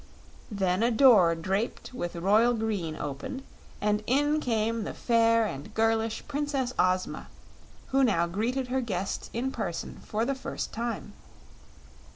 Then a door draped with royal green opened, and in came the fair and girlish Princess Ozma, who now greeted her guests in person for the first time.